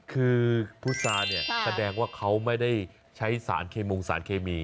คือพุษาเนี่ยแสดงว่าเขาไม่ได้ใช้สารเคมงสารเคมี